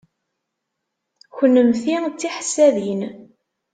Kennemti d tiḥessadin.